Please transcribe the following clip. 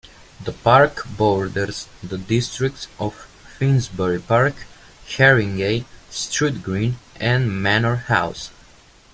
The park borders the districts of Finsbury Park, Harringay, Stroud Green, and Manor House.